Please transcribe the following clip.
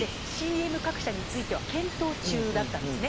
ＣＭ各社については検討中だったんです。